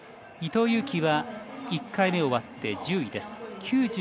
伊藤有希は１回目終わって１０位です。